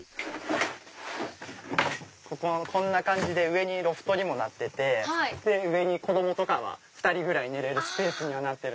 こんな感じで上ロフトにもなってて上に子供とかは２人ぐらい寝れるスペースにはなってる。